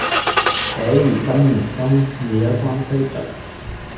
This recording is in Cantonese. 且如今年冬，未休關西卒。